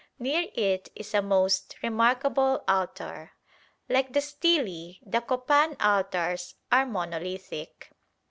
Near it is a most remarkable altar. Like the stelae, the Copan altars are monolithic.